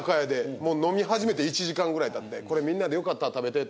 もう飲み始めて１時間ぐらいたって「これみんなでよかったら食べて」って。